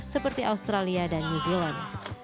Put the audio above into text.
seperti australia dan new zealand